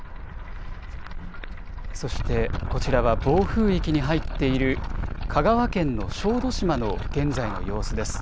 そしてこちらは暴風域に入っている香川県の小豆島の現在の様子です。